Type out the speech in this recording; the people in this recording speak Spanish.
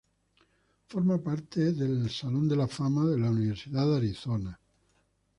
Forma parte del Hall of Fame de la Universidad de Arizona.